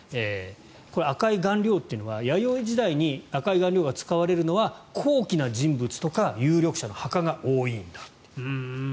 これは赤い顔料というのは弥生時代に赤い顔料が使われるのは高貴な人物とか有力者の墓が多いんだと。